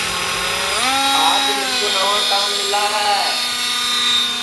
آج مِسکُو نئوا کام مِلا ہے